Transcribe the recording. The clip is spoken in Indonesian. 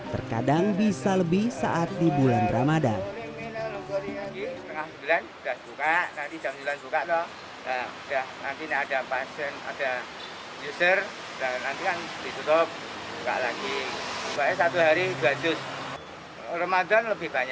terkadang bisa lebih saat di bulan ramadan